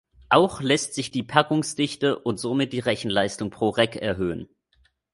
Auch lässt sich die Packungsdichte und somit die Rechenleistung pro Rack erhöhen.